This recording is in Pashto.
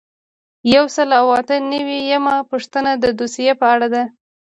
یو سل او اته نوي یمه پوښتنه د دوسیې په اړه ده.